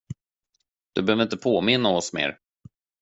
Du behöver inte påminna oss mer.